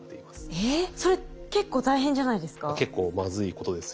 えそれ結構大変じゃないですか？